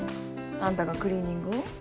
あんたがクリーニングを？